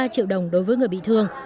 ba triệu đồng đối với người bị thương